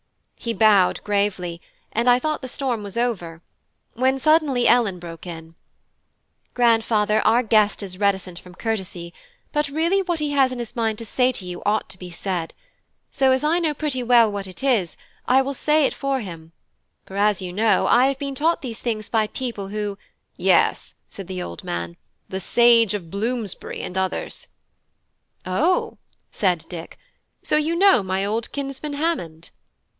He bowed gravely, and I thought the storm was over, when suddenly Ellen broke in: "Grandfather, our guest is reticent from courtesy; but really what he has in his mind to say to you ought to be said; so as I know pretty well what it is, I will say it for him: for as you know, I have been taught these things by people who " "Yes," said the old man, "by the sage of Bloomsbury, and others." "O," said Dick, "so you know my old kinsman Hammond?"